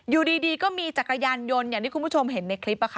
อยู่ดีก็มีจักรยานยนต์อย่างที่คุณผู้ชมเห็นในคลิป